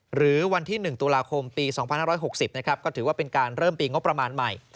หรือวันที่๑ตุลาคมปี๒๕๖๐นะครับก็ถือว่าเป็นการเริ่มปีงบประมาณใหม่